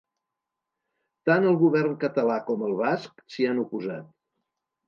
Tant el govern català com el basc s’hi han oposat.